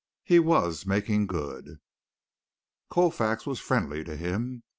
He was making good. Colfax was friendly to him.